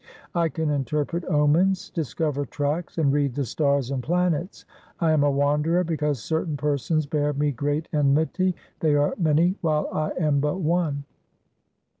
I can interpret omens, discover tracks, and read the stars and planets. I am a wanderer because certain persons bear me great enmity. They are many while I am but one.